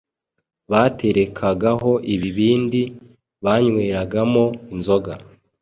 baterekagaho ibibindi banyweragamo inzoga.